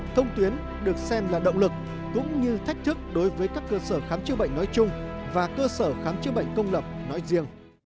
thông tuyến được xem là động lực cũng như thách thức đối với các cơ sở khám chữa bệnh nói chung và cơ sở khám chữa bệnh công lập nói riêng